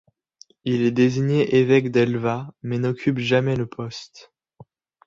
Il est désigné évêque d'Elva, mais n'occupe jamais le poste.